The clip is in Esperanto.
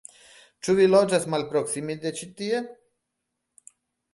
Ĉu vi loĝas malproksime de ĉi tie?